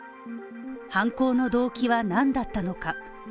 犯行の動機は何だったのか。